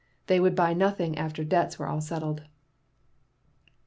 They would buy nothing after debts were all settled.